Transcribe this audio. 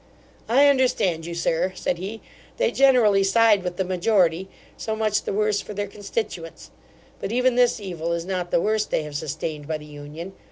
'I understand you, Sir (said he), they generally side with the majority; so much the worse for their constituents. But even this evil is not the worst they have sustained by the union.